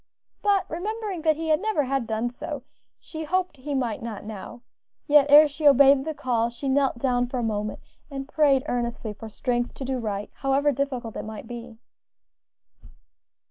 But remembering that he never had done so, she hoped he might not now; yet ere she obeyed the call she knelt down for a moment, and prayed earnestly for strength to do right, however difficult it might be.